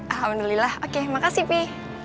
alhamdulillah oke makasih pi